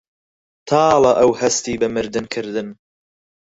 تاڵە ئەو هەستی بە مردن کردن